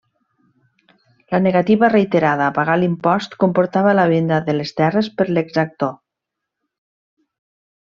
La negativa reiterada a pagar l'impost comportava la venda de les terres per l'exactor.